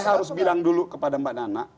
saya harus bilang dulu kepada mbak nana